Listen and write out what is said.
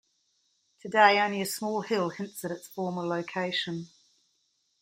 Today, only a small hill hints at its former location.